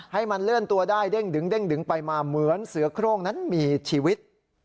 ให้มันเลื่อนตัวได้เด้งดึงไปมาเหมือนเสือโครงนั้นมีชีวิต